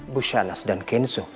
ibu sanas dan kenzo